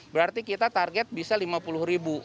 berarti kita target bisa lima puluh ribu